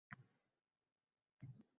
Kampiriga qarab yotdi.